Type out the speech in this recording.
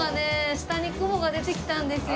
下に雲が出てきたんですよ。